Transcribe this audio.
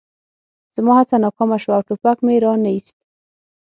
زما هڅه ناکامه شوه او ټوپک مې را نه ایست